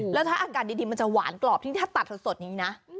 แล้วถ้าอากาศดีมันจะหวานกรอบที่ถ้าตัดสดอย่างนี้นะ